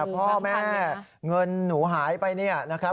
พ่อแม่เงินหนูหายไปเนี่ยนะครับ